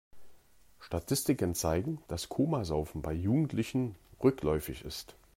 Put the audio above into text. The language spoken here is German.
Statistiken zeigen, dass Komasaufen bei Jugendlichen rückläufig ist.